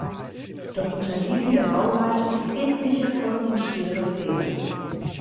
Doch unterliefen der Bauleitung etliche folgenschwere Fehler.